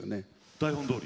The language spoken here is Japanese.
台本どおり？